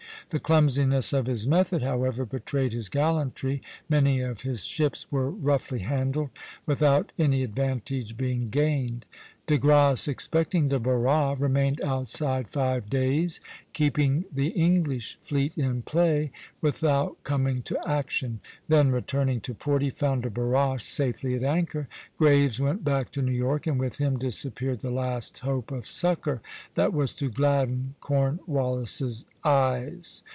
The clumsiness of his method, however, betrayed his gallantry; many of his ships were roughly handled, without any advantage being gained. De Grasse, expecting De Barras, remained outside five days, keeping the English fleet in play without coming to action; then returning to port he found De Barras safely at anchor. Graves went back to New York, and with him disappeared the last hope of succor that was to gladden Cornwallis's eyes.